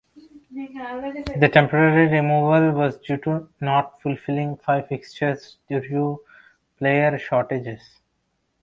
The temporary removal was due to not fulfilling five fixtures due to player shortages.